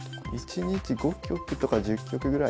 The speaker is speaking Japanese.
１日５局とか１０局ぐらいですかね。